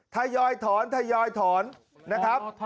ทยอยถอนทยอยถอนนะครับ